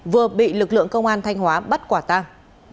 vừa bị lực lượng công an thanh hóa bắt quả tang